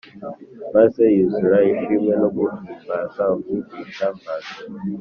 maze yuzura ishimwe no guhimbaza Umwigisha mvajuru